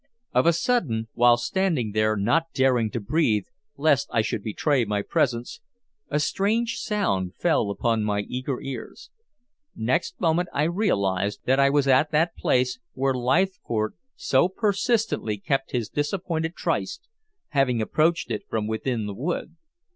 Of a sudden, while standing there not daring to breathe lest I should betray my presence, a strange sound fell upon my eager ears. Next moment I realized that I was at that place where Leithcourt so persistently kept his disappointed tryst, having approached it from within the wood.